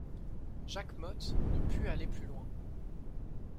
Jacquemotte ne put aller plus loin.